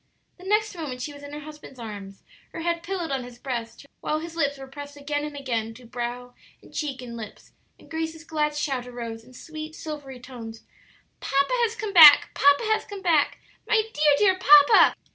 The next moment she was in her husband's arms, her head pillowed on his breast, while his lips were pressed again and again to brow and cheek and lips, and Grace's glad shout arose, in sweet, silvery tones, "Papa has come back! Papa has come back! My dear, dear papa!"